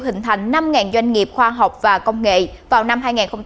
hình thành năm doanh nghiệp khoa học và công nghệ vào năm hai nghìn ba mươi